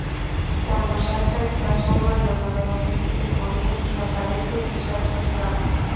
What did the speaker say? Cuando Shasta está solo, el verdadero príncipe Corin reaparece y Shasta escapa.